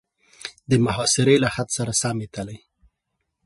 د محاصرې له خط سره سمې تلې.